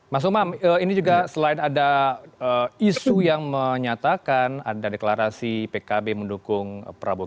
mas umam ini juga selain ada isu yang menyatakan ada deklarasi pkb mendukung prabowo